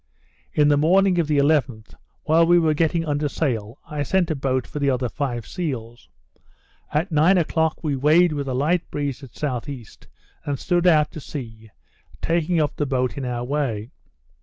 In the morning of the 11th, while we were getting under sail, I sent a boat for the other five seals. At nine o'clock we weighed with a light breeze at south east, and stood out to sea, taking up the boat in our way.